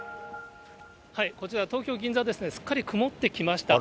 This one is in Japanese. こちら、東京・銀座ですね、すっかり曇ってきました。